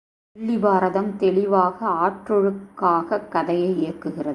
வில்லிபாரதம் தெளிவாக ஆற்றொழுக்காகக் கதையை இயக்குகிறது.